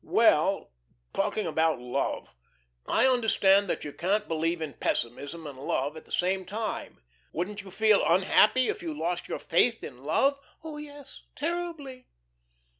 "Well talking about love. I understand that you can't believe in pessimism and love at the same time. Wouldn't you feel unhappy if you lost your faith in love?" "Oh, yes, terribly."